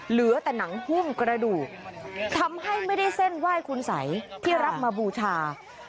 เหลือแต่หนังหุ้มกระดูกทำให้ไม่ได้เส้นไหว้คุณสัยที่รับมาบูชา